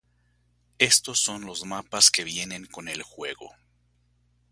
Estos son los mapas que vienen con el juego.